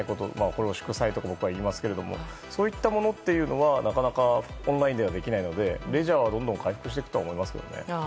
これを祝祭と僕はいいますがそういったものというのはなかなかオンラインではできないのでレジャーはどんどん回復していくと思いますけどね。